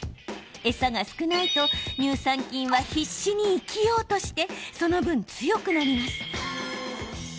餌が少ないと乳酸菌は必死に生きようとしてその分、強くなります。